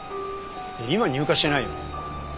今入荷してないよ。